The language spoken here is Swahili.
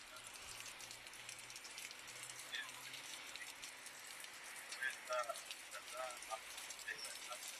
na katiba na Erdogan alitupwa gerezani kwa mashtaka